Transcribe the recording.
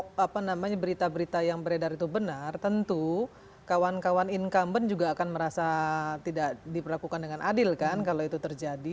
kalau berita berita yang beredar itu benar tentu kawan kawan incumbent juga akan merasa tidak diperlakukan dengan adil kan kalau itu terjadi